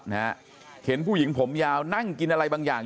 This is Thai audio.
นะฮะเห็นผู้หญิงผมยาวนั่งกินอะไรบางอย่าง